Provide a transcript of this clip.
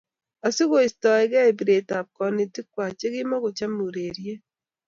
Asikoistoekei biretap konetikwai chekimakomochei urereyet